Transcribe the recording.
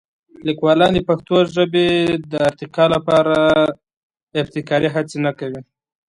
لیکوالان د پښتو ژبې د ارتقا لپاره ابتکاري هڅې نه کوي.